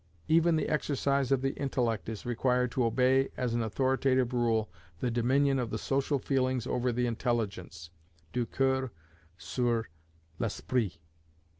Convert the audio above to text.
Even the exercise of the intellect is required to obey as an authoritative rule the dominion of the social feelings over the intelligence (du coeur sur l'esprit).